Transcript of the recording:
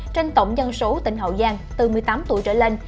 trên tổng dân số tỉnh hậu giang từ một mươi tám tuổi trở lên